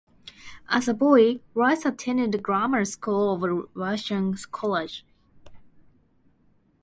As a boy, Rice attended grammar school of Racine College.